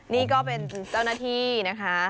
นี่ก็เป็นเจ้าหน้าที่นะคะ